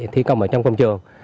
thi công ở trong công trường